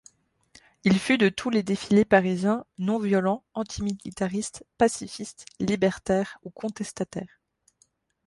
Il fut de tous les défilés parisiens non violents, antimilitaristes, pacifistes, libertaires ou contestataires.